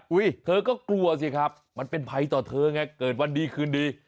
เธอก็กลัวสิครับมันเป็นภัยต่อเธอไงเกิดวันดีคืนดี